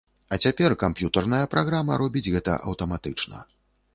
А цяпер камп'ютарная праграма робіць гэта аўтаматычна.